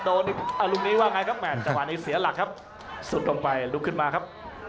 โดนอารุณีว่าไงครับแมทตะวันอีกเสียหลักครับสุดลงไปลุกขึ้นมาครับ